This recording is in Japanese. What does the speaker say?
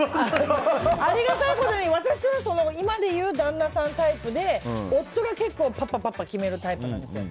ありがたいことに、私は今でいう旦那さんタイプで夫が結構パッパと決めるタイプなんですよ。